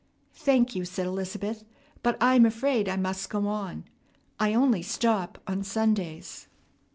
"Thank you," said Elizabeth, "but I am afraid I must go on. I only stop on Sundays."